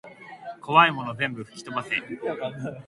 こわいもの全部ふきとばせ